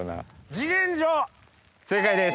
正解です！